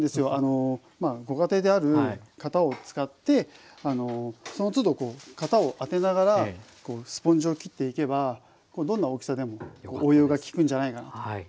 ご家庭である型を使ってそのつど型を当てながらスポンジを切っていけばどんな大きさでも応用が利くんじゃないかなと思います。